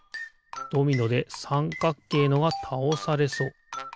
ドミノでさんかっけいのがたおされそう。